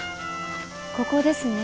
ここですね。